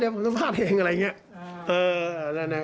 ผมสัมภาษณ์เองอะไรอย่างนี้